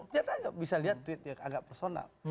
tidak bisa dilihat tweet ya agak personal